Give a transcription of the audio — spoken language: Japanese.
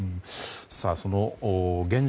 その現状